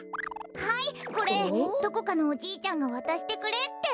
はいこれどこかのおじいちゃんがわたしてくれって。